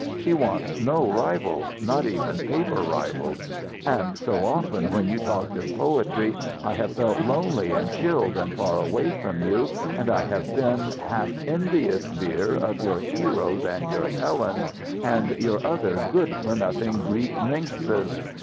She wants no rivals, not even paper rivals. And so often when you talked of poetry I have felt lonely and chilled and far away from you, and I have been half envious, dear, of your Heros and your Helens, and your other good for nothing Greek minxes.